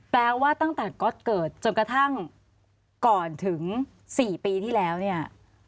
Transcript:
แปลว่าตั้งแต่ก๊อตเกิดจนกระทั่งก่อนถึง๔ปีที่แล้วเนี่ย